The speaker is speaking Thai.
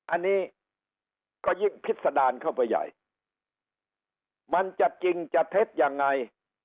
อันนี้ก็ยิ่งพิษดารเข้าไปใหญ่มันจะจริงจะเท็จยังไง